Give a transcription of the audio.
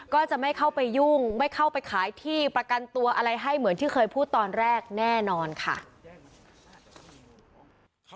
ก็จะไม่เข้าไปยุ่งไม่เข้าไปขายที่ประกันตัวอะไรให้เหมือนที่เคยพูดตอนแรกแน่นอนค่ะ